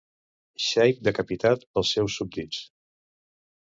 Xeic decapitat pels seus súbdits.